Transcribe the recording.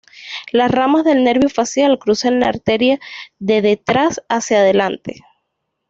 Las ramas del nervio facial cruzan la arteria de detrás hacia adelante.